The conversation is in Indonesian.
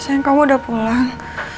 sayang kamu udah pulang